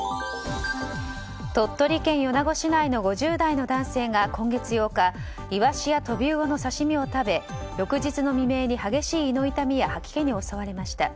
鳥取県米子市内の５０代の男性が今月８日イワシやトビウオの刺し身を食べ翌日の未明に激しい胃の痛みや吐き気に襲われました。